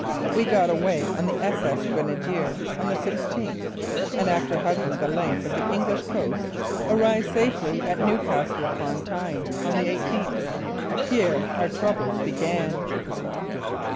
We got away on the S.S. Grenadier on the sixteenth, and after hugging the length of the English Coast, arrived safely at Newcastle upon Tyne on the eighteenth. Here our troubles began!